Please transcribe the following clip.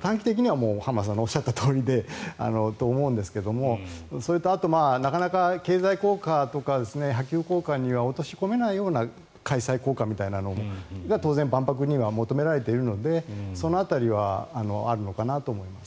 短期的には浜田さんのおっしゃったとおりだと思うんですけどあと、なかなか経済効果とか波及効果には落とし込めないような開催効果みたいなのが当然、万博には求められているのでその辺りはあるのかなと思います。